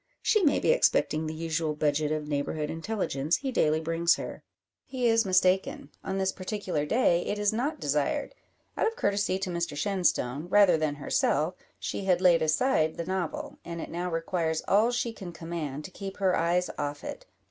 She may be expecting the usual budget of neighbourhood intelligence he daily brings her. He is mistaken. On this particular day it is not desired. Out of courtesy to Mr Shenstone, rather than herself, she had laid aside the novel; and it now requires all she can command to keep her eyes off it.